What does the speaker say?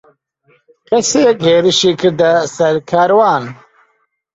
کەسێک هێرشی کردە سەر کاروان.